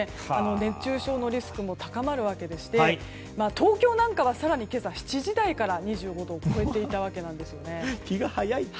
熱中症のリスクも高まるわけでして東京なんかは更に今日７時台から２５度を超えていたわけなんですよね。